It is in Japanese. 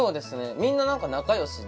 みんななんか仲良しで。